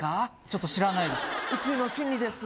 ちょっと知らないです